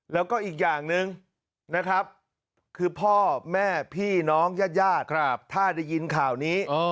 แล้วก็อีกอย่างหนึ่งนะครับคือพ่อแม่พี่น้องญาติญาติถ้าได้ยินข่าวนี้